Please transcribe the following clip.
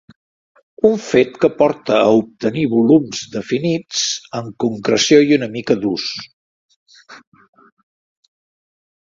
Un fet que porta a obtenir volums, definits amb concreció i una mica durs.